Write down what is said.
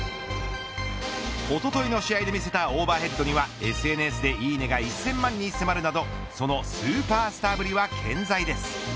おとといの試合で見せたオーバーヘッドにはＳＮＳでいいねが１０００万に迫るなどそのスーパースターぶりは健在です。